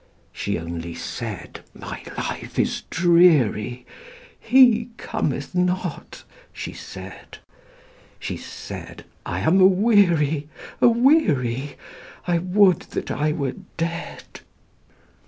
She only said, "My life is dreary, He cometh not," she said; She said, "I am aweary, aweary, I would that I were dead!"